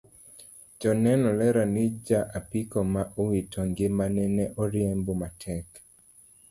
Joneno lero ni ja apiko ma owito ngimane ne riembo matek